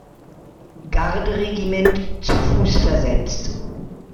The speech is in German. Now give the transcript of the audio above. Garde-Regiment zu Fuß versetzt.